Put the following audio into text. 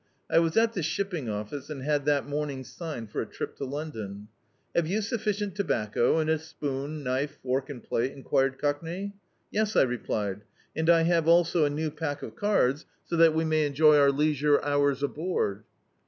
I was at the shipping office and had that morning signed for a trip to London. "Have you sufficient tobacco, and a spocm, knife, fork and plate?" enquired Cockney. "Yes," I replied, "and I have also a new pack of cards, so that we may enjoy our leisure hours aboard."